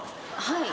はい。